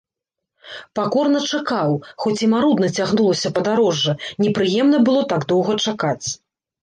Пакорна чакаў, хоць і марудна цягнулася падарожжа, непрыемна было так доўга чакаць.